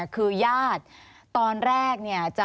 คือยาดตอนแรก